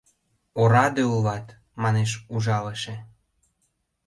— Ораде улат, — манеш ужалыше.